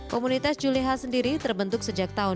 komunitas juleha sendiri terbentuk sejak tahun dua ribu enam belas